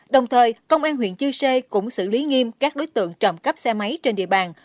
đồng thời công an huyện chư sê cũng xử lý nghiêm các đối tượng trộm cắp xe máy trên địa bàn